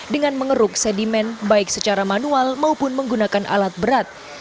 dengan mengeruk sedimen baik secara manual maupun menggunakan alat berat